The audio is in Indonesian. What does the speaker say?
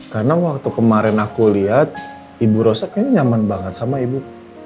karena waktu kemarin aku lihat ibu rose kayaknya nyaman banget sama ibu